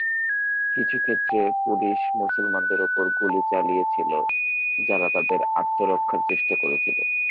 কিছু ক্ষেত্রে, পুলিশ মুসলমানদের উপর গুলি চালিয়েছিল যারা তাদের আত্মরক্ষার চেষ্টা করেছিল।